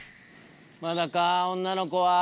まだか女の子は。